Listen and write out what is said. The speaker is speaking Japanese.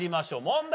問題。